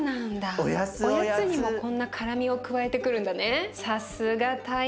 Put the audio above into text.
おやつにもこんな辛みを加えてくるんだね。